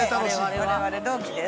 ◆我々同期です。